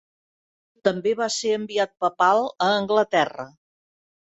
També va ser enviat papal a Anglaterra.